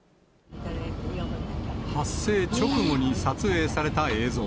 発生直後に撮影された映像。